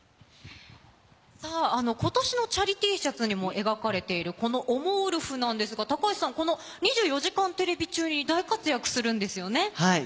今年のチャリＴシャツにも描かれている、おもウルフなんですが、高橋さん『２４時間テレビ』中に大活躍するんですよね。